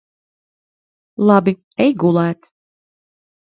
Labi. Ej gulēt.